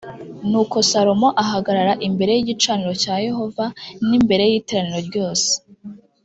nuko salomo ahagarara imbere y igicaniro cya yehova n imbere y iteraniro ryose